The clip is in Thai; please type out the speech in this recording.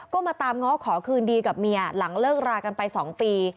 ก็มาตามง้อขอคืนดีกับเมียหลังเลิกรากันไป๒ปี